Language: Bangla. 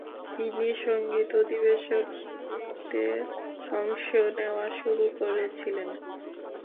তিনি সংগীত অধিবেশনগুলিতে অংশ নেওয়া শুরু করেছিলেন।